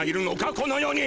この世に。